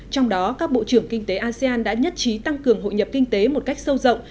trong đó các bộ trưởng kinh tế asean đã nhất trí tăng cường hội nhập kinh tế một cách sâu rộng